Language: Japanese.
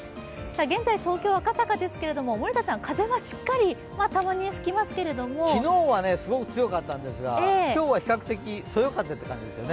現在、東京・赤坂ですけれども森田さん、風はしっかりたまに吹きますけれど昨日はすごく強かったんですが今日は比較的そよ風という感じですね。